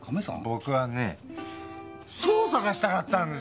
僕はねえ捜査がしたかったんですよ。